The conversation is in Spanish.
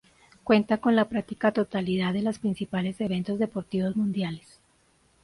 Cuenta con la práctica totalidad de los principales eventos deportivos mundiales.